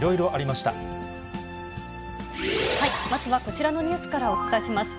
まずはこちらのニュースからお伝えします。